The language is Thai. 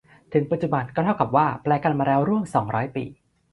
ถึงปัจจุบันก็เท่ากับว่าแปลกันมาแล้วร่วมสองร้อยปี